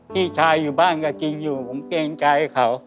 พี่ชายอยู่บ้านก็จริงอยู่ผมเกรงใจเขา